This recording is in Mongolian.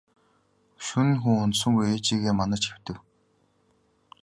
Шөнө нь хүү унтсангүй ээжийгээ манаж хэвтэв.